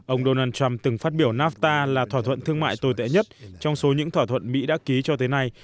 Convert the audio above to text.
ông donald trump từng phát biểu nafta là thỏa thuận thương mại tồi tệ nhất trong số những thỏa thuận mỹ đã ký cho tới nay